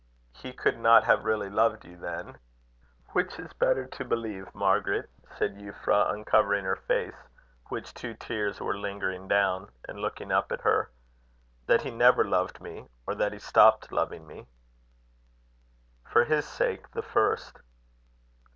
"He could not have really loved you, then?" "Which is better to believe, Margaret," said Euphra, uncovering her face, which two tears were lingering down, and looking up at her "that he never loved me, or that he stopped loving me?" "For his sake, the first."